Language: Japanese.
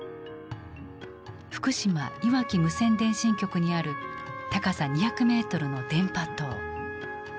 福島・磐城無線電信局にある高さ２００メートルの電波塔。